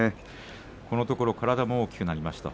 このところ体も大きくなりました